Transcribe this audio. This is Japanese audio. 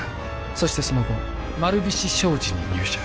そしてその後丸菱商事に入社